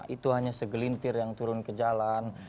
itu hanya segelintir yang turun ke jalan